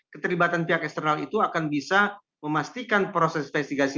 keterlibatan pihak eksternal itu akan bisa memastikan proses investigasi